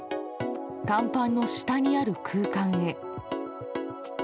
甲板の下にある空間へ。